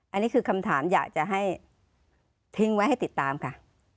อันนี้คือคำถามอยากจะให้ทิ้งไว้ให้ติดตามค่ะ